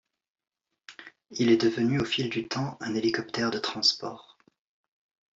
Il est devenu au fil du temps un hélicoptère de transport.